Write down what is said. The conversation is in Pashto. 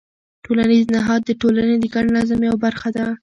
ټولنیز نهاد د ټولنې د ګډ نظم یوه برخه ده.